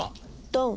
ドン。